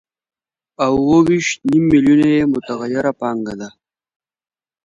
او اوه ویشت نیم میلیونه یې متغیره پانګه ده